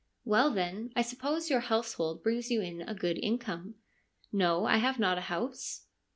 ' Well, then, I suppose your household brings you in a good income.' ' No, I have not a house.'